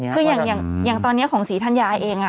คือยังตอนนี้ของศรีธรรยาเอง